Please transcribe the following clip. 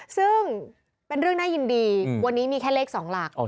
ซึ่งเป็นเรื่องน่ายินดีวันนี้มีแค่เลข๒หลัก